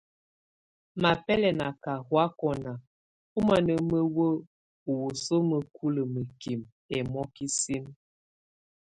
Mabɛlɛna ka huwakɔna ɔmana məwə́ə ɔ wəsu məkulə məkimə ɛmɔkisim.